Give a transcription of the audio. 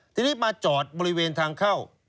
ทีนี้มาจอดบริเวณทางเข้า